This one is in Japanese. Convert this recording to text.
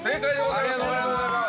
おめでとうございます。